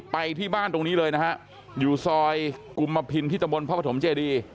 ไปที่บ้านตรงนี้เลยนะฮะอยู่ซอยกุมพินที่ตะบนพระปฐมเจดี